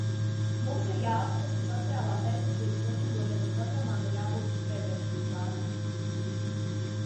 Mums ir arī jāatceras, ka sociālās aizsardzības likumdošanas programmām ir jābūt preventīvām.